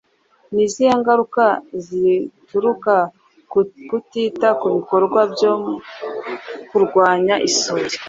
Ni izihe ngaruka zituruka ku kutita ku bikorwa byo kurwanya isuri?